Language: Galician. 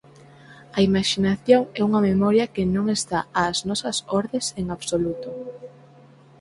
A imaxinación é unha memoria que non está ás nosas ordes en absoluto.